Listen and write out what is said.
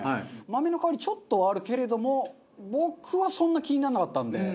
豆の香りちょっとはあるけれども僕はそんな気にならなかったので。